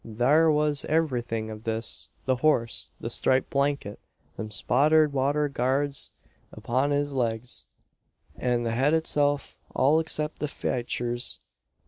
"Thare was iverything av his the horse the sthriped blankyet them spotted wather guards upon his legs an the head itself all except the faytures.